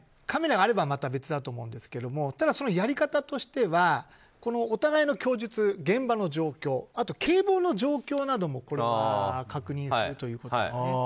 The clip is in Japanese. カメラがあればまた別だと思うんですけどただ、やり方としてはお互いの供述現場の状況、警棒の状況などもこれから確認するということですね。